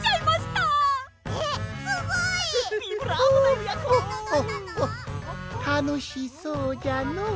たのしそうじゃのう。